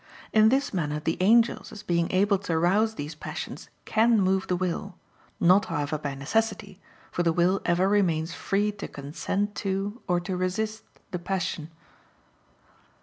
In this manner the angels, as being able to rouse these passions, can move the will, not however by necessity, for the will ever remains free to consent to, or to resist, the passion.